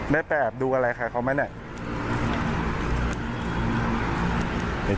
ได้ไปแอบดูอะไรใครเขาไหมเนี่ย